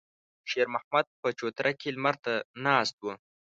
شېرمحمد په چوتره کې لمر ته ناست و.